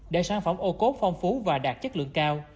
để sản phẩm ô cốt phong phú và đạt chất lượng cao